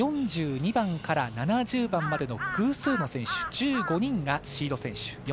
４２番から７０番までの偶数の選手１５人がシード選手。